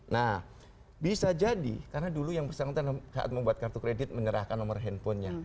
nah bisa jadi karena dulu yang bersangkutan saat membuat kartu kredit menyerahkan nomor handphonenya